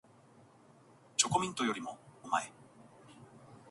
チョコミントよりもおまえ